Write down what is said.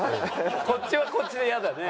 こっちはこっちでやだね。